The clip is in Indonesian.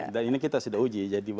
dan ini kita sudah uji